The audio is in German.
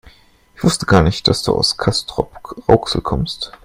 Ich wusste gar nicht, dass du aus Castrop-Rauxel kommst